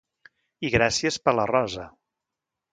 I gràcies per la rosa!